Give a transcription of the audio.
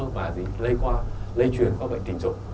và thì lây qua lây chuyển qua bệnh tình dục